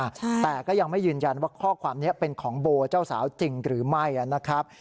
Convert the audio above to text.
ใช่แต่ก็ยังไม่ยืนยันว่าข้อความนี้เป็นของโบเจ้าสาวจริงหรือไม่นะครับ